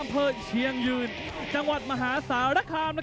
จังเผอเชียงยืนจังหวัดมหาศาลคามวัย๒๔ปี